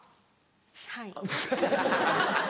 はい。